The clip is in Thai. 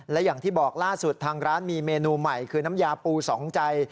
และอย่างที่บอกล่าสุดทางร้านมีเมนูใหม่คือน้ำยาปูสองใจ